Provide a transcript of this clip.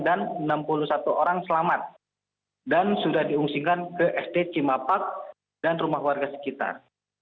dan enam puluh satu orang selamat dan sudah diungsingkan ke sd cimapak dan rumah warga sekitar